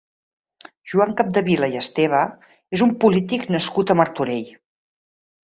Joan Capdevila i Esteve és un polític nascut a Martorell.